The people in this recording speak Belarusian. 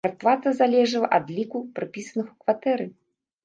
Квартплата залежала ад ліку прапісаных у кватэры.